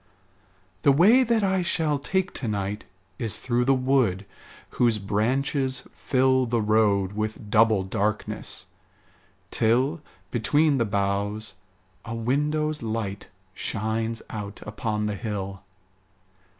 The way that I shall take to night Is through the wood whose branches fill The road with double darkness, till, Between the boughs, a window's light Shines out upon the hill.